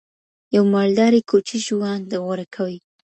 يو مالداري، کوچي ژوند غوره کوي.